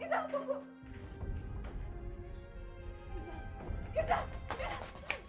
iza malu punya ibu kayak bajak laut